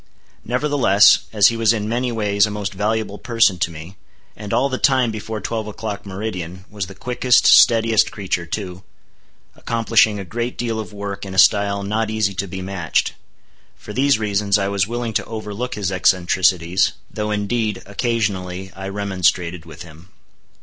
Nevertheless, as he was in many ways a most valuable person to me, and all the time before twelve o'clock, meridian, was the quickest, steadiest creature too, accomplishing a great deal of work in a style not easy to be matched—for these reasons, I was willing to overlook his eccentricities, though indeed, occasionally, I remonstrated with him.